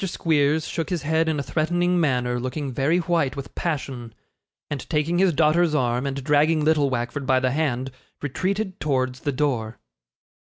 Squeers shook his head in a threatening manner, looking very white with passion; and taking his daughter's arm, and dragging little Wackford by the hand, retreated towards the door.